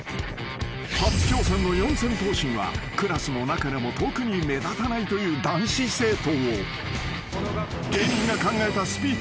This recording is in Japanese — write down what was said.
［初挑戦の四千頭身はクラスの中でも特に目立たないという男子生徒を］